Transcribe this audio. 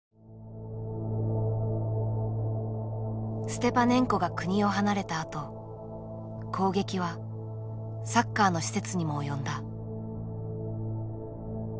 ステパネンコが国を離れたあと攻撃はサッカーの施設にも及んだ。